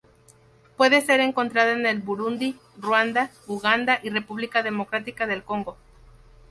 Puede ser encontrada en el Burundi, Ruanda, Uganda y República Democrática del Congo.